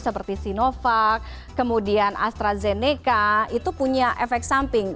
seperti sinovac kemudian astrazeneca itu punya efek samping